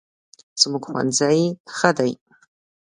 زموږ ښوونځی ښه دی